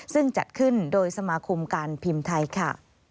ซึ่งจัดขึ้นโดยสมาคมการพิมพ์ไทยค่ะ